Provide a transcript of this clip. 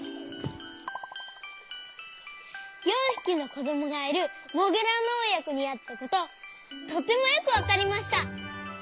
４ひきのこどもがいるモグラのおやこにあったこととてもよくわかりました。